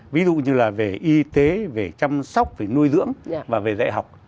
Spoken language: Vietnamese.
ví dụ như là về y tế về chăm sóc về nuôi dưỡng và về dạy học